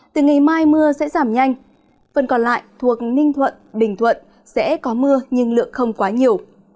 từ ngày mai mưa sẽ giảm nhanh phần còn lại thuộc ninh thuận bình thuận sẽ có mưa nhưng lượng không quá nhiều